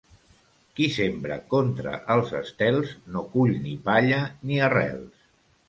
Qui sembra contra els estels no cull ni palla ni arrels.